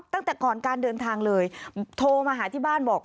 ตั้งแต่ก่อนการเดินทางเลยโทรมาหาที่บ้านบอก